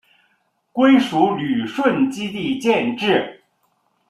归属旅顺基地建制。